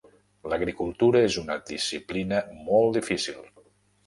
L'agricultura és una disciplina molt difícil.